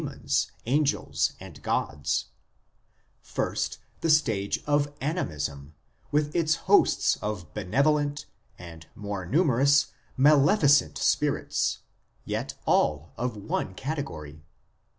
4 50 IMMORTALITY AND THE UNSEEN WORLD angels, and gods ; first, the stage of Animism, with its hosts of benevolent and, more numerous, maleficent spirits, yet all of one category.